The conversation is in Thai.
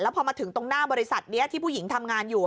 พอมาถึงตรงหน้าบริษัทนี้ที่ผู้หญิงทำงานอยู่